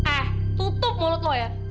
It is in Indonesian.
eh tutup mulut lu ya